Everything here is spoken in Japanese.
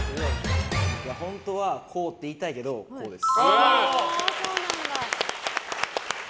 本当は×って言いたいけど○です。